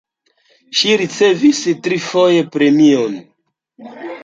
Ŝi ricevis trifoje premiojn.